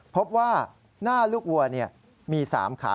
พบว่าหน้าลูกวัวมี๓ขา